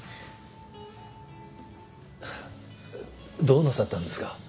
どうなさったんですか？